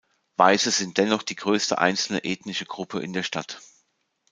Weiße sind dennoch die größte einzelne ethnische Gruppe in der Stadt.